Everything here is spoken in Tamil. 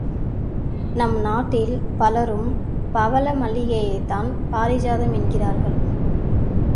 நம் நாட்டில் பலரும் பவள மல்லிகையைத்தான் பாரிஜாதம் என்கின்றனர்.